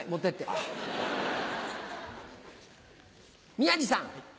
宮治さん。